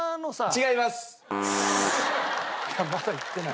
違います。